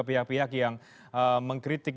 pihak pihak yang mengkritik